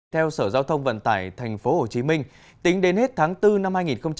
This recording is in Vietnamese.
theo sở giao thông vận tải tp hcm tính đến hết tháng bốn năm hai nghìn hai mươi